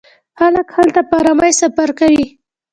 خلک هلته په ارامۍ سفر کوي.